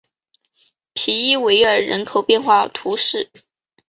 皮伊韦尔人口变化图示